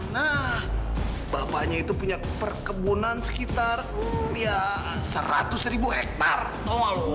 nah bapaknya itu punya perkebunan sekitar ya seratus ribu hektar tau gak lo